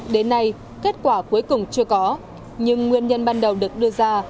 đến nay kết quả cuối cùng chưa có nhưng nguyên nhân ban đầu được đưa ra